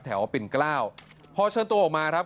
ปิ่นเกล้าพอเชิญตัวออกมาครับ